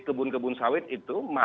kebun kebun sawit itu